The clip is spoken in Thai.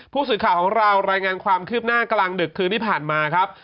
ผู้สื่อข่าวของเรารายงานความคืบหน้ากลางดึกคืนที่ผ่านมาครับ